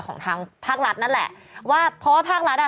ของทางภาครัฐนั่นแหละว่าเพราะว่าภาครัฐอ่ะ